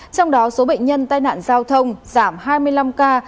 trong đó số bệnh nhân tai nạn giao thông giảm hai mươi năm ca